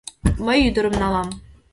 Мый ӱдырым налам...